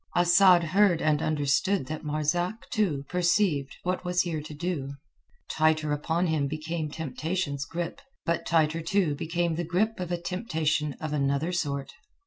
Asad heard and understood that Marzak, too, perceived what was here to do; tighter upon him became temptation's grip; but tighter, too, became the grip of a temptation of another sort.